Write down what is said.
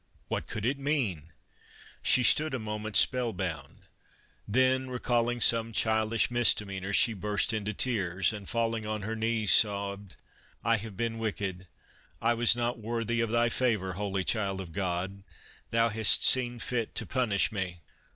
What could it mean ? She stood a mo ment spell bound, then recalling some childish mis demeanors she burst into tears, and falling on her knees, sobbed :" 1 have been wicked. I was not worthy of Thy favor, Holy Child of God ! Thou hast seen fit to punish me."